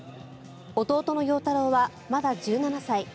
弟の陽太郎はまだ１７歳。